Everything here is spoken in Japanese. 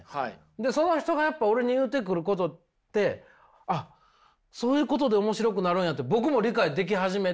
その人がやっぱ俺に言ってくることってそういうことで面白くなるんやって僕も理解でき始めて。